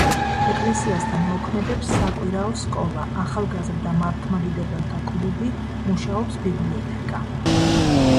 ეკლესიასთან მოქმედებს საკვირაო სკოლა, ახალგაზრდა მართლმადიდებელთა კლუბი, მუშაობს ბიბლიოთეკა.